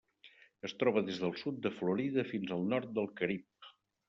Es troba des del sud de Florida fins al nord del Carib.